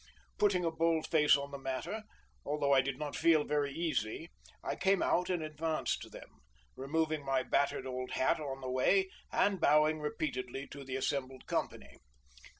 Putting a bold face on the matter, although I did not feel very easy, I came out and advanced to them, removing my battered old hat on the way, and bowing repeatedly to the assembled company.